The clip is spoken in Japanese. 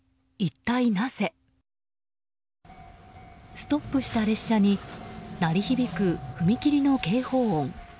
ストップした列車に鳴り響く踏切の警報音。